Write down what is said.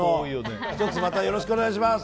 １つ、またよろしくお願いします。